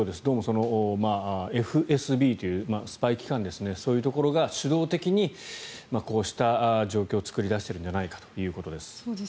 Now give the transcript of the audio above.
どうもＦＳＢというスパイ機関そういうところが主導的にこうした状況を作り出しているんじゃないかということです。